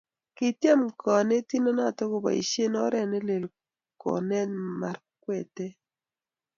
Kityem kanetindenyo koboishee oret nelel konet Markwete